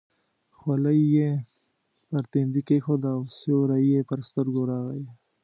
خولۍ یې پر تندي کېښوده او سیوری یې پر سترګو راغی.